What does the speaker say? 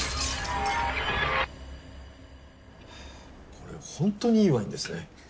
これホントにいいワインですね。